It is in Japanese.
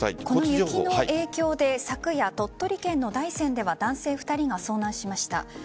この雪の影響で昨夜、鳥取県の大山では男性２人が遭難しました。